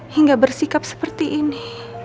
hingga bersikap seperti ini